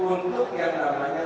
untuk yang namanya